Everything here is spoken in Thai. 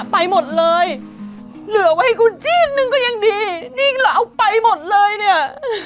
ไปหมดเลยเหลือไว้ให้กูจี้นึงก็ยังดีนี่เราเอาไปหมดเลยเนี่ย